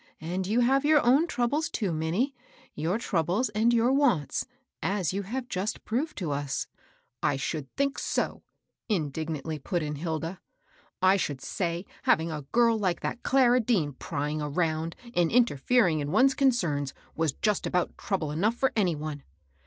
Atid you have your troubles, too, Minnie, — your troubles and your wants, as you have just proved to us. ^" I should think so I " indignantly put in Hilda. " I should say having a girl like that Clara Dean prying around and interfering with one's concerns was just about trouble enough for any one